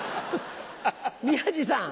宮治さん。